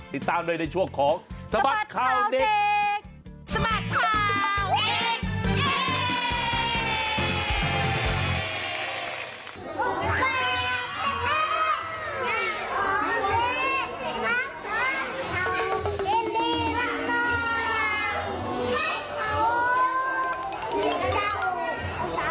ติดตามเลยในช่วงของสมัครเขาเด็ก